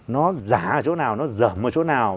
nó giả ở chỗ nào nó dởm ở chỗ nào